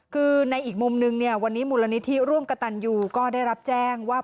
คือในอีกมุมนึงเนี่ยวันนี้มูลนิธิร่วมกระตันยูก็ได้รับแจ้งว่า